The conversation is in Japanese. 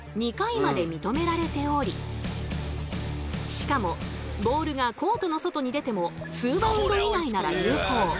しかもボールがコートの外に出てもツーバウンド以内なら有効。